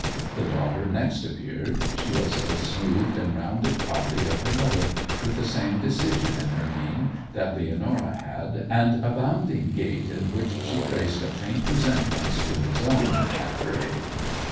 The daughter next appeared; she was a smoothed and rounded copy of her mother, with the same decision in her mien that Leonora had, and a bounding gait in which he traced a faint resemblance to his own at her age.